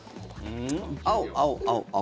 青、青、青、青。